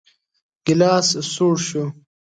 ګيلاس سوړ شو.